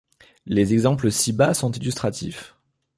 Les exemples ci-bas sont illustratifs.